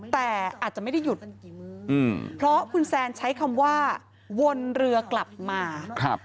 แต่อาจจะไม่ได้หยุดอืมเพราะคุณแซนใช้คำว่าวนเรือกลับมาครับ